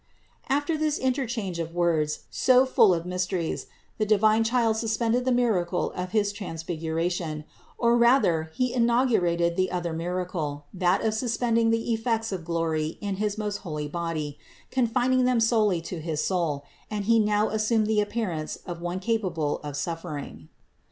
482. After this interchange of words, so full of mys teries, the divine Child suspended the miracle of his transfiguration, or rather He inaugurated the other miracle, that of suspending the effects of glory in his most holy body, confining them solely to his soul; and He now assumed the appearance of one capable of suf fering.